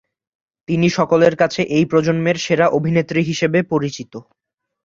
তিনি সকলের কাছে এই প্রজন্মের সেরা অভিনেত্রী হিসেবে পরিচিত।